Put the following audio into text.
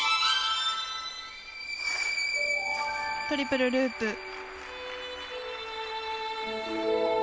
トリプルループ。